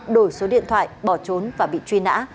đổi số điện thoại bỏ trốn và bị truy nã